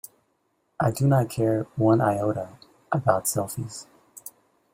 I do not care one iota about selfies.